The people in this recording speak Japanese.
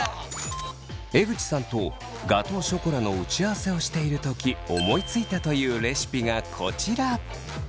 江口さんとガトーショコラの打ち合わせをしている時思いついたというレシピがこちら。